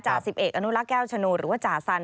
จ่าสิบเอกอโนรักษ์แก้วชนะโน่หรือว่าจ่าสั่น